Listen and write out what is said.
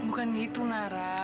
bukan gitu nara